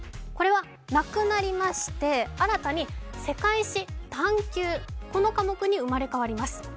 これはなくなりまして新たに世界史探究、この科目に生まれ変わります。